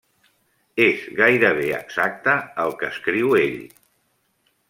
És gairebé exacte al que escriu ell.